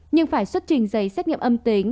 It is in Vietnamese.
nhưng phải xuất trình giấy xét nghiệm âm tính